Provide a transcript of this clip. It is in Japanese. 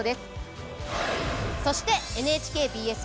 そしてＮＨＫＢＳ